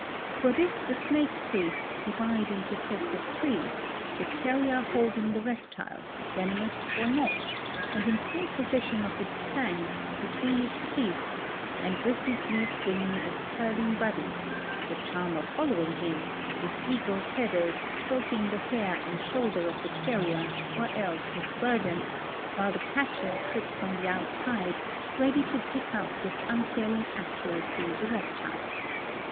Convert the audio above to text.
For this the snake priests divide into sets of three, the carrier holding the reptile, venomous or not, and in full pos.ses sion of its fangs, between his teeth, and rhythmically swinging its curling body, the charmer following him, with eagle feathers stroking the hair and shoulder of the carrier or else his burden, while the catcher trij)s on the outside, ready to ])ick up with un failing accuracy the reptile.